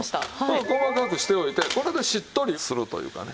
細かくしておいてこれでしっとりするというかね。